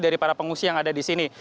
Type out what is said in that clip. dari para pengungsi yang ada di sini